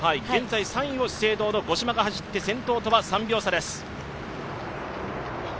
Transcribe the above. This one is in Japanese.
現在３位を資生堂の五島が走って先頭とは３秒差です。